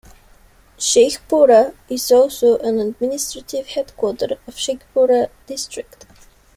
Sheikhpura is also an administrative headquarter of Sheikhpura district.